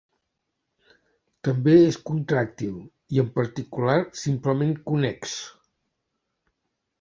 També és contràctil, i en particular simplement connex.